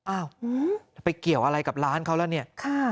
อ้าวจะไปเกี่ยวอะไรกับร้านเขาแล้วเนี่ย